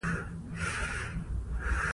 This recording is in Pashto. د افغانستان په منظره کې دریابونه ښکاره ده.